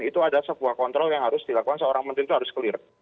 itu adalah sebuah kontrol yang harus dilakukan seorang menteri itu harus clear